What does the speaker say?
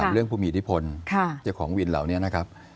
๓เรื่องภูมิอิทธิพลเจ้าของวินเหล่านี้นะครับ